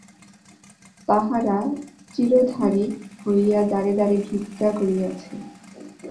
তাহারা চীরধারী হইয়া দ্বারে দ্বারে ভিক্ষা করিয়াছে।